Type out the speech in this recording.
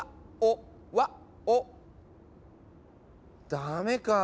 ダメかぁ。